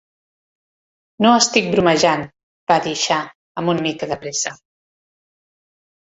"No estic bromejant", va dir Shah, amb una mica de pressa.